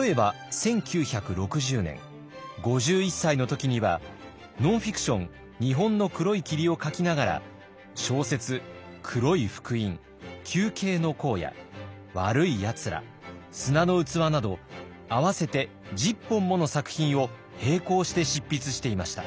例えば１９６０年５１歳の時にはノンフィクション「日本の黒い霧」を書きながら小説「黒い福音」「球形の荒野」「わるいやつら」「砂の器」など合わせて１０本もの作品を並行して執筆していました。